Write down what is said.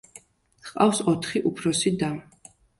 ჰყავს ოთხი უფროსი და.